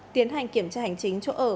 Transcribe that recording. tiến hành kiểm tra hành chính chỗ ở